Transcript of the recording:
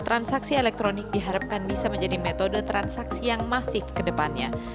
transaksi elektronik diharapkan bisa menjadi metode transaksi yang masif ke depannya